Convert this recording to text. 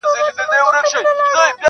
بوډا وویل پیسو ته نه ژړېږم-